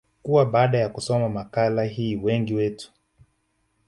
kuwa baada ya kusoma makala hii wengi wetu